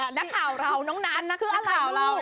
หนักข่าวเราน้องนั้นหนักข่าวเรา